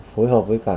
phối hợp với cả